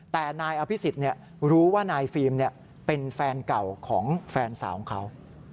แต่นายอภิษฎรู้ว่านายฟิล์มเป็นแฟนเก่าของแฟนสาวของเขา